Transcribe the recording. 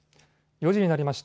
４時になりました。